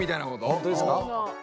本当ですか？